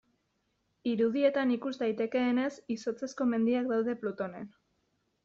Irudietan ikus daitekeenez, izotzezko mendiak daude Plutonen.